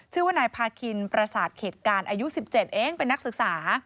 ชื่อว่านายพาคินประสาทเขตการอายุ๑๗เองเป็นนักศึกษา